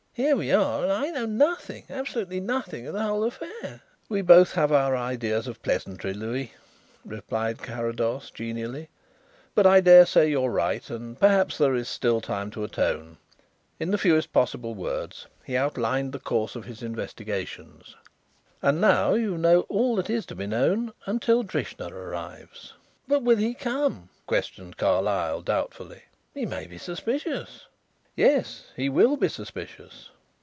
"Here we are and I know nothing, absolutely nothing, of the whole affair." "We both have our ideas of pleasantry, Louis," replied Carrados genially. "But I dare say you are right and perhaps there is still time to atone." In the fewest possible words he outlined the course of his investigations. "And now you know all that is to be known until Drishna arrives." "But will he come?" questioned Carlyle doubtfully. "He may be suspicious." "Yes, he will be suspicious."